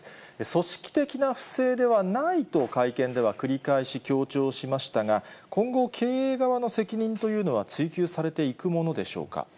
組織的な不正ではないと会見では繰り返し強調しましたが、今後、経営側の責任というのは追及されていくものでしょうか。